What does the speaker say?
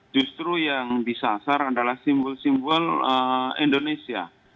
justru yang disasar adalah simbol simbol indonesia